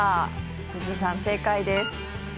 すずさん、正解です。